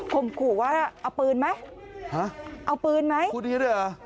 มขู่ว่าเอาปืนไหมฮะเอาปืนไหมพูดอย่างนี้ด้วยเหรอ